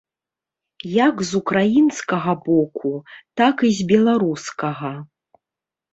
Як з украінскага боку, так і з беларускага.